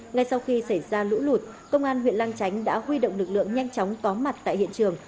ngay sau khi xảy ra lũ lụt công an huyện lang chánh đã huy động lực lượng nhanh chóng có mặt tại hiện trường